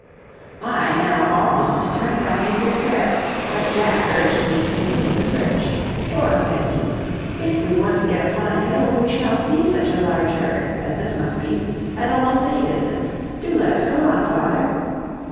I now almost turned back in despair, but Jack urged me to continue the search; "For," said he, "if we once get upon a hill we shall see such a large herd, as this must be, at almost any distance. Do let us go on, father."